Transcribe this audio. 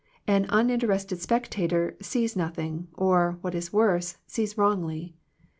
An uninter ested spectator sees nothing, or, what is worse, sees wrongly.